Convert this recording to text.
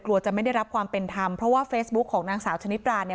จะไม่ได้รับความเป็นธรรมเพราะว่าเฟซบุ๊คของนางสาวชนิดราเนี่ย